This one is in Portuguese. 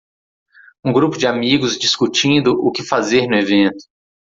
Um grupo de amigos discutindo o que fazer no evento.